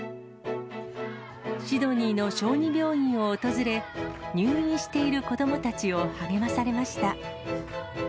シドニーの小児病院を訪れ、入院している子どもたちを励まされました。